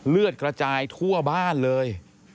เลือดกระจายทั่วบ้านเลย